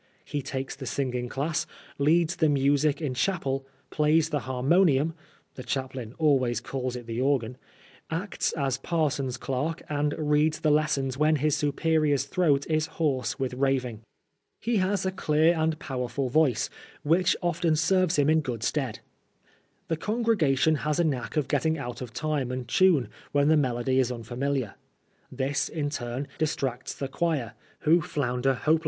He takes the singing class, leads the music in chapel, plays the harmonium (the chaplain always calls it the organ), acts as parson's clerk, and reads the lessons when his superior's throat is hoarse with raving. He has a clear and powerful voice, which often serves him in good stead. The congregation has a knack of getting out of time and tune when the melody is unfamiliar : this, in turn, distracts tiie choir, who flounder hope 120 PRISONER FOR BIiASPHEMY.